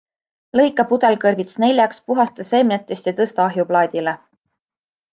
Lõika pudelkõrvits neljaks, puhasta seemnetest ja tõsta ahjuplaadile.